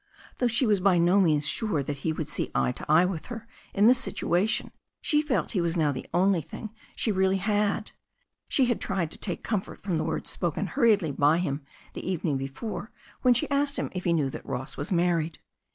Though she was by no means sure that he would see eye to eye with her in this situation, she felt he was now the only thing she really had. She had tried to take comfort from words spoken hurriedly by him the evening before when she had asked him if he knew that Ross was married.